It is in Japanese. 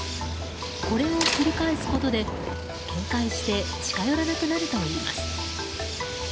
これを繰り返すことで、警戒して近寄らなくなるといいます。